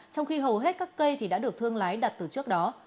trong khi hầu hết các cây thì đã được thương lái đặt từ trước đó